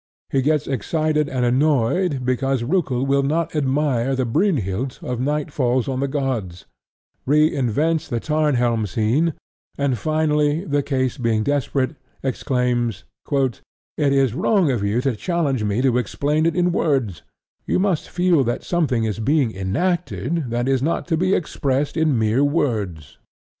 He gets excited and annoyed because Roeckel will not admire the Brynhild of Night Falls On The Gods; re invents the Tarnhelm scene; and finally, the case being desperate, exclaims, "It is wrong of you to challenge me to explain it in words: you must feel that something is being enacted that is not to be expressed in mere words."